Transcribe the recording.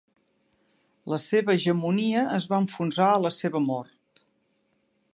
La seva hegemonia es va enfonsar a la seva mort.